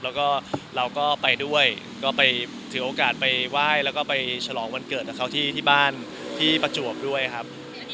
แล้วก็เราก็ไปด้วยก็ไปถือโอกาสไปไหว้แล้วก็ไปฉลองวันเกิดกับเขาที่บ้านที่ประจวบด้วยครับ